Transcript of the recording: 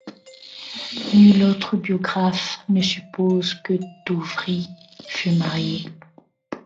Nul autre biographe ne suppose que Tauvry fut marié.